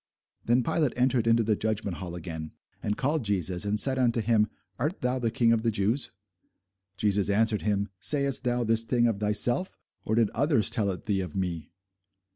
Then Pilate entered into the judgment hall again, and called Jesus, and said unto him, Art thou the King of the Jews? Jesus answered him, Sayest thou this thing of thyself, or did others tell it thee of me?